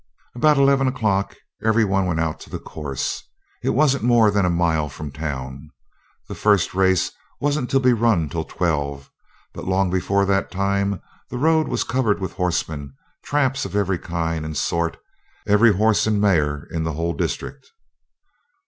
About eleven o'clock every one went out to the course. It wasn't more than a mile from town. The first race wasn't to be run till twelve; but long before that time the road was covered with horsemen, traps of every kind and sort, every horse and mare in the whole district.